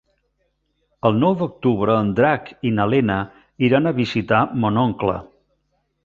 El nou d'octubre en Drac i na Lena iran a visitar mon oncle.